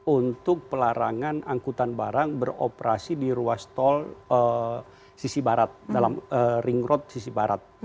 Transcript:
untuk pelarangan angkutan barang beroperasi di ruas tol sisi barat dalam ring road sisi barat